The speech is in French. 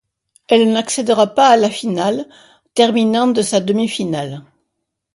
Elle n'accèdera pas à la finale, terminant de sa demi-finale.